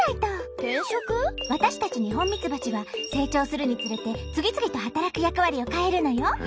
私たちニホンミツバチは成長するにつれて次々と働く役割を変えるのよ。